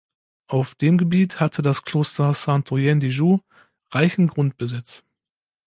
Auf dem Gebiet hatte das Kloster Saint-Oyen de Joux reichen Grundbesitz.